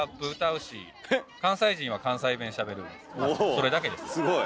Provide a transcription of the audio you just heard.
それだけです。